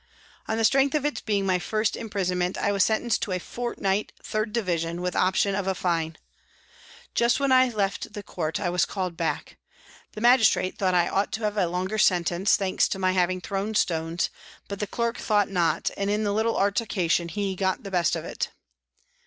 On the strength of its being my first imprison ment, I was sentenced to a fortnight. 3rd Division, with option of a fine. Just when I had left the court I was called back. The magistrate thought I ought to have a longer sentence, thanks to my having thrown stones, but the clerk thought not, and in the little altercation he got the best of it.